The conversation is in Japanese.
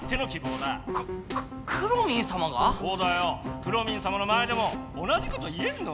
くろミンさまの前でも同じこと言えんの？